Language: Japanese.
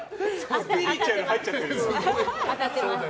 スピリチュアル入っちゃってるよ。